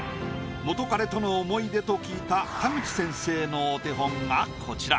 元カレとの思い出と聞いた田口先生のお手本がこちら。